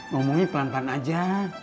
ngomongin pelan pelan aja